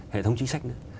hệ thống chính sách nữa